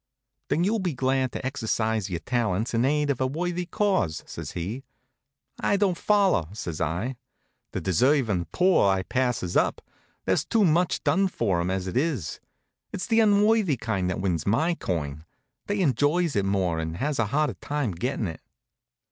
"Then you'll be glad to exercise your talents in aid of a worthy cause," says he. "It don't follow," says I. "The deservin' poor I passes up. There's too much done for 'em, as it is. It's the unworthy kind that wins my coin. They enjoys it more and has a harder time gettin' it."